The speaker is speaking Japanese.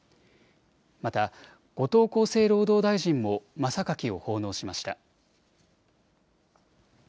また、後藤厚生労働大臣も真榊を奉納しました。